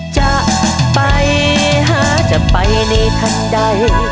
จะไปหาจะไปในทันใด